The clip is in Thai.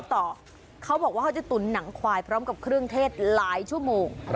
ต่อเขาบอกว่าเขาจะตุ๋นหนังควายพร้อมกับเครื่องเทศหลายชั่วโมง